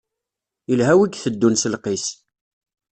Ilha wi iteddun s lqis.